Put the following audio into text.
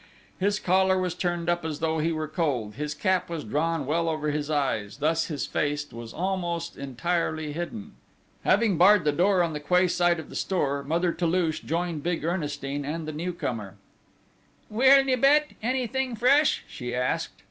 His collar was turned up as though he were cold; his cap was drawn well over his eyes, thus his face was almost entirely hidden. Having barred the door on the quay side of the store, Mother Toulouche joined big Ernestine and the newcomer: "Well, Nibet, anything fresh?" she asked.